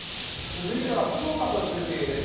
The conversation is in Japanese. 続いては福岡と中継です。